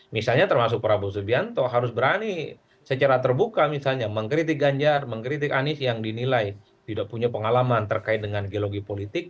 misalnya termasuk prabowo subianto harus berani secara terbuka misalnya mengkritik ganjar mengkritik anies yang dinilai tidak punya pengalaman terkait dengan geologi politik